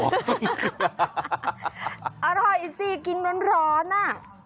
อร่อยสิกินร้อนอ่ะ